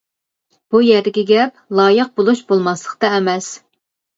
بۇ يەردىكى گەپ لايىق بولۇش-بولماسلىقتا ئەمەس.